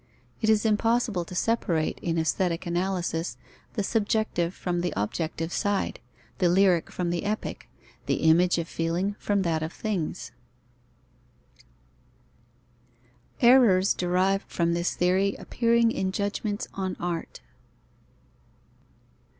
It is impossible to separate in aesthetic analysis, the subjective from the objective side, the lyric from the epic, the image of feeling from that of things. _Errors derived from this theory appearing in judgments on art.